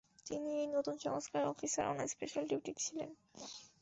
তিনি এই নতুন সংস্থার 'অফিসার অন স্পেশাল ডিউটি' ছিলেন।